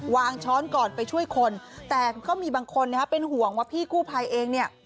ช้อนก่อนไปช่วยคนแต่ก็มีบางคนนะฮะเป็นห่วงว่าพี่กู้ภัยเองเนี่ย